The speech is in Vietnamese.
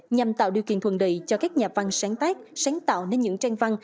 nhằm tạo điều kiện thuần đầy cho các nhà văn sáng tác sáng tạo nên những tranh văn